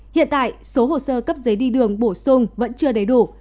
hiện tại số hồ sơ cấp giấy đi đường bổ sung vẫn chưa đầy đủ